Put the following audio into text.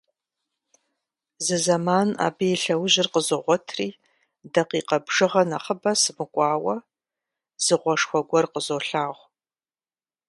Зы зэман абы и лъэужьыр къызогъуэтри, дакъикъэ бжыгъэ нэхъыбэ сымыкӀуауэ, зы гъуэшхуэ гуэр къызолъагъу.